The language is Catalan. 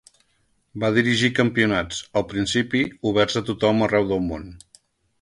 Va dirigir campionats, al principi oberts a tothom arreu del món.